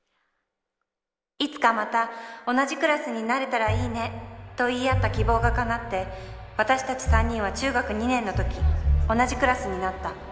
いつかまた同じクラスになれたら良いねと言い合った希望が叶って私たち三人は中学２年の時同じクラスになった。